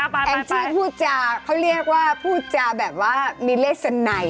แองจี้พูดจาเขาเรียกว่าพูดจาแบบว่ามีเลสนัย